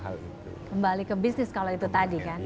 hal itu kembali ke bisnis kalau itu tadi kan